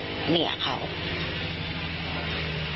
เพราะไม่เคยถามลูกสาวนะว่าไปทำธุรกิจแบบไหนอะไรยังไง